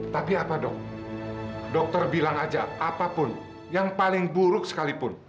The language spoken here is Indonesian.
tapi apa dok dokter bilang aja apapun yang paling buruk sekalipun